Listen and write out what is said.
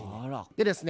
でですね